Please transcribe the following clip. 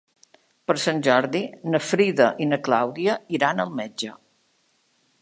Per Sant Jordi na Frida i na Clàudia iran al metge.